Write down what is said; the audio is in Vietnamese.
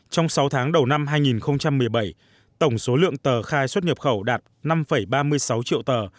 trong sáu tháng đầu năm hai nghìn một mươi bảy tổng số lượng tờ khai xuất nhập khẩu đạt năm ba mươi sáu triệu tờ